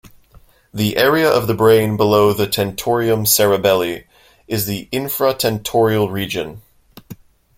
The area of the brain below the tentorium cerebelli is the infratentorial region.